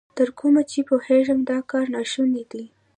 تر کومه چې پوهېږم، دا کار نا شونی دی.